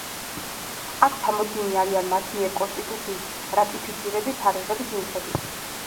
აქ ჩამოთვლილნი არიან მათ მიერ კონსტიტუციის რატიფიცირების თარიღების მიხედვით.